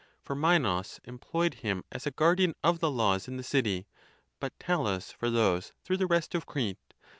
For Minos employed him as a guardian of the laws in the city; but Ta lus for those through the rest of Crete.